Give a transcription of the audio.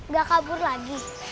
gak kabur lagi